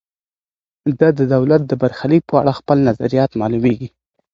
ده د دولت د برخلیک په اړه خپل نظریات معلوميږي.